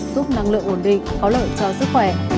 tinh bột tốt có lợi cho sức khỏe